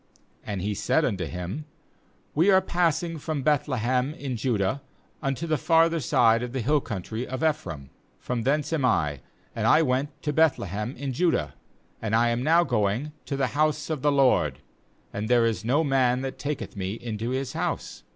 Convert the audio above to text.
18And he said unto him: 'We are passing from Beth lehem in Judah unto the farther side of the hill country of Ephraim; from thence am I, and I went to Beth lehem in Judah, and I am now going to the house of the LORD; and "there is no man that taketh me into his house.